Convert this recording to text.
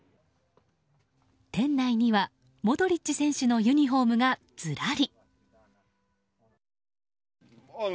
店内にはモドリッチ選手のユニホームがずらり。